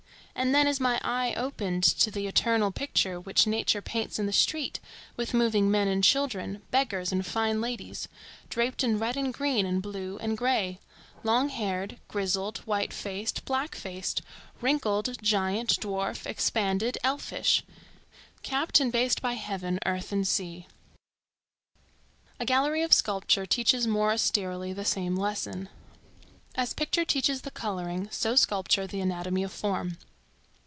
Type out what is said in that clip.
and then is my eye opened to the eternal picture which nature paints in the street, with moving men and children, beggars and fine ladies, draped in red and green and blue and gray; long haired, grizzled, white faced, black faced, wrinkled, giant, dwarf, expanded, elfish,—capped and based by heaven, earth and sea. A gallery of sculpture teaches more austerely the same lesson. As picture teaches the coloring, so sculpture the anatomy of form.